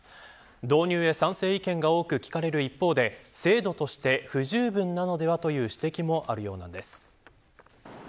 導入へ賛成意見が多く聞かれる一方で制度として不十分なのではという指摘もあるようなんです。